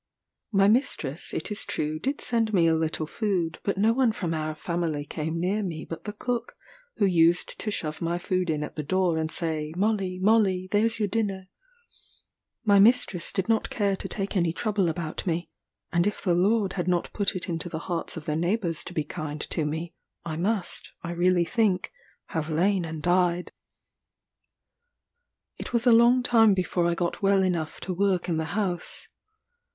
My mistress, it is true, did send me a little food; but no one from our family came near me but the cook, who used to shove my food in at the door, and say, "Molly, Molly, there's your dinner." My mistress did not care to take any trouble about me; and if the Lord had not put it into the hearts of the neighbours to be kind to me, I must, I really think, have lain and died. It was a long time before I got well enough to work in the house.